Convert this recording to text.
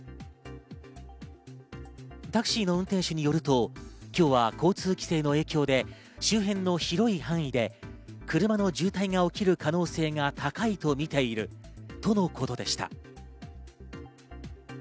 タクシーの運転手によると今日は交通規制の影響で周辺の広い範囲で車の渋滞が起きる可能性が高いとみているとのことでした。